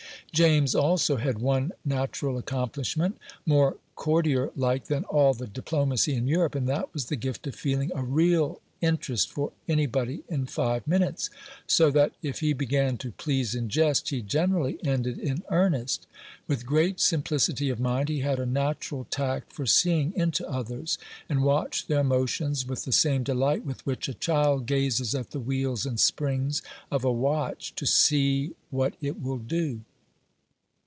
James also had one natural accomplishment, more courtier like than all the diplomacy in Europe, and that was the gift of feeling a real interest for any body in five minutes; so that, if he began to please in jest, he generally ended in earnest. With great simplicity of mind, he had a natural tact for seeing into others, and watched their motions with the same delight with which a child gazes at the wheels and springs of a watch, to "see what it will do."